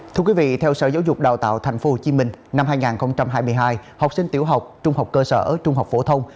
thưa quý vị theo sở giáo dục đào tạo tp hcm năm hai nghìn hai mươi hai học sinh tiểu học trung học cơ sở trung học phổ thông